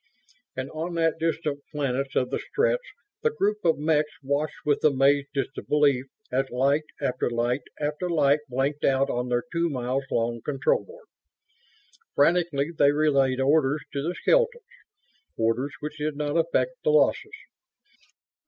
And on that distant planet of the Stretts the group of mechs watched with amazed disbelief as light after light after light winked out on their two miles long control board. Frantically they relayed orders to the skeletons; orders which did not affect the losses.